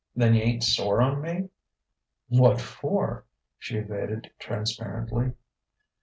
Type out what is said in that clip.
"Then you ain't sore on me?" "What for?" she evaded transparently.